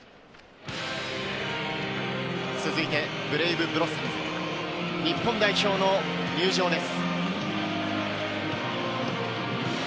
続いてブレイブ・ブロッサムズ、日本代表の入場です。